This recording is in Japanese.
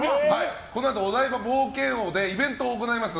このあとお台場冒険王でイベントを行います